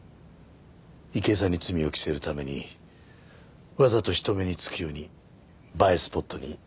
池井さんに罪を着せるためにわざと人目につくように映えスポットに遺棄しようとした。